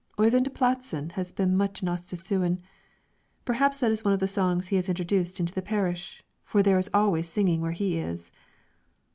"Oyvind Pladsen has been much in Ostistuen; perhaps that is one of the songs he has introduced into the parish, for there is always singing where he is."